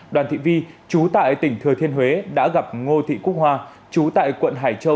đoàn thị vi chú tại tỉnh thừa thiên huế đã gặp ngô thị quốc hoa chú tại quận hải châu